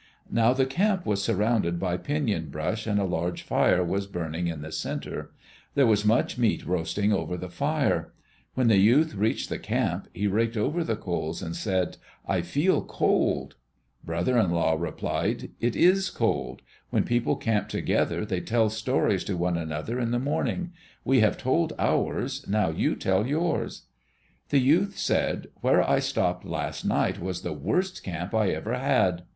Now the camp was surrounded by pinon brush and a large fire was burning in the centre. There was much meat roasting over the fire. When the youth reached the camp, he raked over the coals and said. "I feel cold." Brother in law replied, "It is cold. When people camp together, they tell stories to one another in the morning. We have told ours, now you tell yours." The youth said, "Where I stopped last night was the worst camp I ever had."